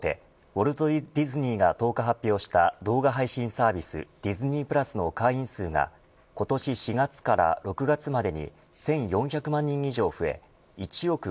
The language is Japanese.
ウォルト・ディズニーが１０日発表した動画配信サービスディズニープラスの会員数が今年４月から６月まで１４００万人以上増え１億５０００万